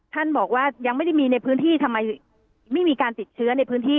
ท่านบอกว่ายังไม่ได้มีในพื้นที่ทำไมไม่มีการติดเชื้อในพื้นที่